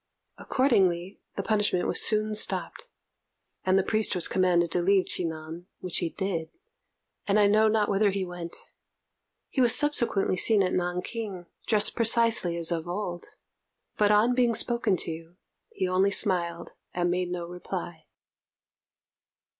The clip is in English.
Accordingly, the punishment was soon stopped, and the priest was commanded to leave Chi nan, which he did, and I know not whither he went. He was subsequently seen at Nanking, dressed precisely as of old; but on being spoken to, he only smiled and made no reply.